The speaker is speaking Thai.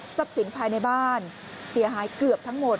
ทรัพย์ศิลป์ภายในบ้านเสียหายเกือบทั้งหมด